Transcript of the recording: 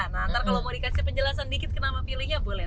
nanti kalau mau dikasih penjelasan dikit kenapa pilihnya boleh